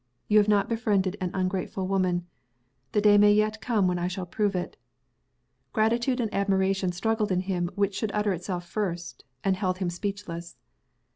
"You have not befriended an ungrateful woman. The day may yet come when I shall prove it." Gratitude and admiration struggled in him which should utter itself first, and held him speechless.